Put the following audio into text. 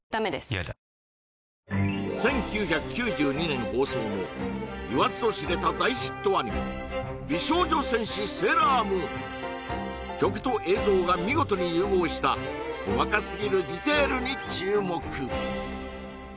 １９９２年放送の言わずと知れた大ヒットアニメ「美少女戦士セーラームーン」曲と映像が見事に融合した細かすぎるディテールに注目